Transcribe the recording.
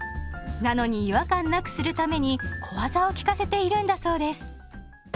なのに違和感なくするために小技を利かせているんだそうです。